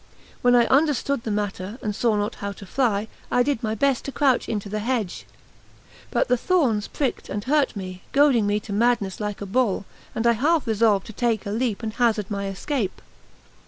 When I understood the matter, and saw not how to fly, I did my best to crouch into the hedge. But the thorns pricked and hurt me, goading me to madness like a bull; and I had half resolved to take a leap and hazard my escape.